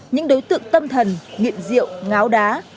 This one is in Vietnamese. những đối tượng tâm thần nghiện diệu ngáo đá